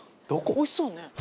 おいしそうね。